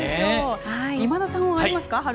今田さんはありますか？